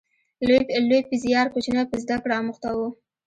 لوی په زیار، کوچنی په زده کړه اموخته و